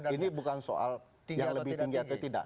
ini bukan soal yang lebih tinggi atau tidak